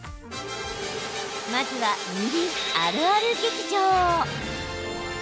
まずは、みりんあるある劇場。